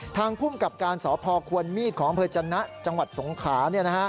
ทางพุ่มกับการสพควรมีดของอจันทร์นะจังหวัดสงขลา